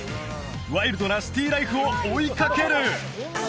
ワイルドなシティーライフを追いかける！